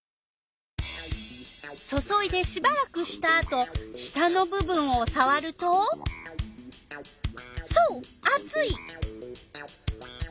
注いでしばらくしたあと下の部分をさわるとそうあつい！